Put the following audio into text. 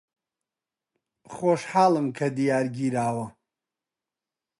خۆشحاڵم کە دیار گیراوە.